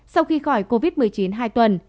sau khi khỏi covid một mươi chín hai tuần